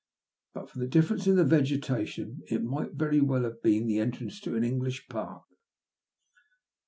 Bat for the difference in the vegetation, it might very well have been the entrance to an English park.